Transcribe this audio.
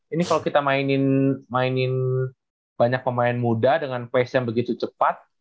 ini kalau kita mainin banyak pemain muda dengan face yang begitu cepat